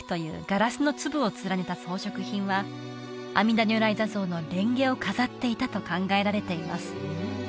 ガラスの粒を連ねた装飾品は阿弥陀如来坐像の蓮華を飾っていたと考えられています